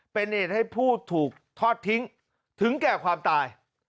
เป็นเหตุให้ผู้ถูกทอดทิ้งถึงแก่ความตาย